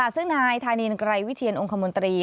ซึ่งนายถานีรักษณ์ไกลวิทยาลองคโมมนตรี